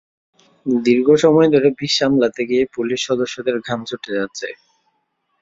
দীর্ঘ সময় ধরে ভিড় সামলাতে গিয়ে পুলিশ সদস্যদের ঘাম ছুটে যাচ্ছে।